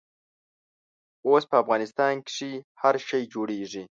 اوس په افغانستان کښې هر شی جوړېږي.